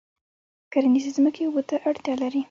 کرنیزې ځمکې اوبو ته اړتیا لري.